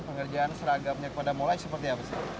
pengerjaan seragamnya kepada molai seperti apa sih